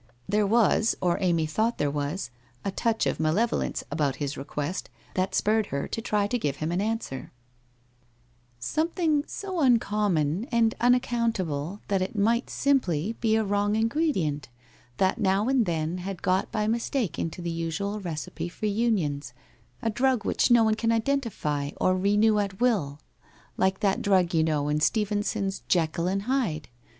There was, or Amy thought there was, a touch of malevolence about his request that spurred her to try to give him an answer. 90 WHITE HOSE OF WEARY LEAF ' Something so uncommon and unaccountable that it might simply be a wrong ingredient, that now and then, had got by mistake into the usual recipe for unions, a drug which no one can identify or renew at will, like that drug, you know, in Stevenson's Jekyll and Hyde!